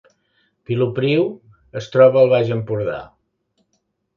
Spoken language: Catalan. Vilopriu es troba al Baix Empordà